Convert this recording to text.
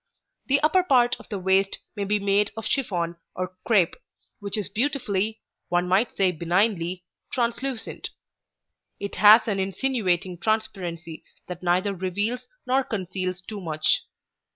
The upper part of the waist may be made of chiffon or crêpe, which is beautifully one might say benignly translucent. It has an insinuating transparency that neither reveals nor conceals too much.